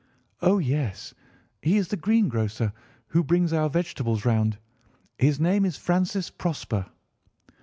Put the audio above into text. "Oh, yes! he is the greengrocer who brings our vegetables round. His name is Francis Prosper."